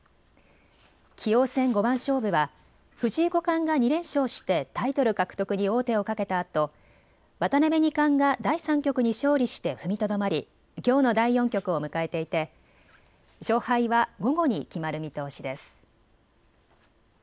棋王戦番勝負は藤井五冠が２連勝してタイトル獲得に王手をかけたあと渡辺二冠が第３局に勝利して踏みとどまりきょうの第４局を迎えていて勝敗は午後に決まる見通しです。